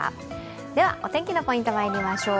では、お天気のポイント、まいりましょう。